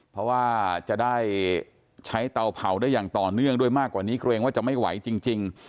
เพราะว่าจะได้ใช้เตาเผาได้อย่างต่อเนื่องด้วยมากกว่านี้เกรงว่าจะไม่ไหวจริง